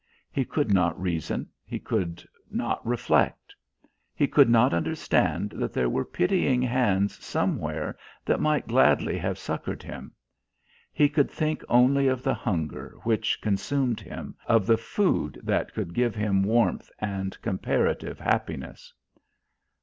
He could not reason. He could not reflect. He could not understand that there were pitying hands somewhere that might gladly have succoured him. He could think only of the hunger which consumed him, of the food that could give him warmth and comparative happiness.